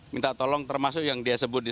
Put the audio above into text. minta tolong termasuk yang dia sebut di